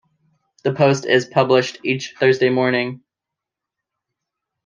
The Post is published each Thursday morning.